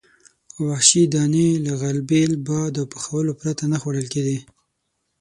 وحشي دانې له غلبیل، باد او پخولو پرته نه خوړل کېدې.